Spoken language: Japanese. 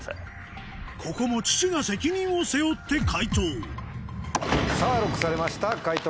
ここも父が責任を背負って解答さぁＬＯＣＫされました解答